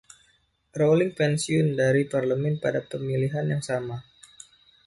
Rowling pensiun dari parlemen pada pemilihan yang sama.